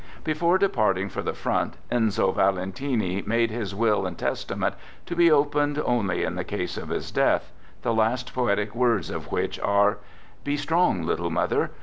Before departing for the front, Enzo Valentini made his will and testament, to be opened only in the case of his death, the last poetic words of which are: "Be strong, little mother.